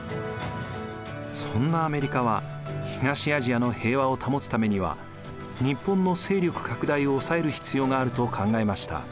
そんなアメリカは東アジアの平和を保つためには日本の勢力拡大をおさえる必要があると考えました。